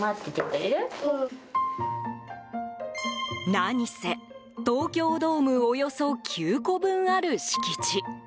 何せ、東京ドームおよそ９個分ある敷地。